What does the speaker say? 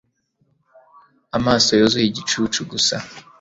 Amaso yuzuye igicucu gusa